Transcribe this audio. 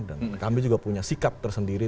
dan kami juga punya sikap tersendiri